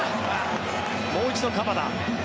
もう一度、鎌田。